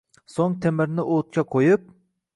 So’ng temirni o’tga qo’yib